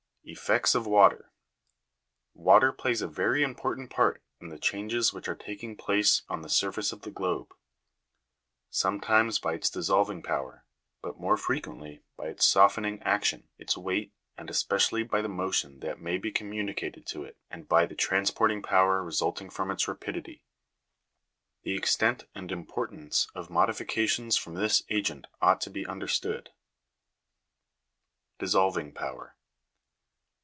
5. Effects of Water. Water plays a very important part in the changes which are taking place on the surface of the globe ; some times by its dissolving power, but more frequently by its softening action, its weight, and especially by the motion that may be com municated to it, and by the transporting power resulting from its rapidity. The extent and importance of modifications from this agent ought to be understood. 6. Dissolving power.